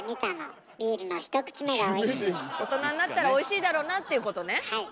大人になったらおいしいだろうなっていうことね。